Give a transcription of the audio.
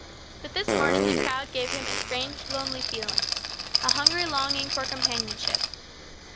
But this morning the crowd gave him a strange, lonely feeling, a hungry longing for companionship.